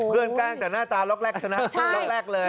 เพื่อนกั้่งแต่หน้าตาล็อกแรกซะนะ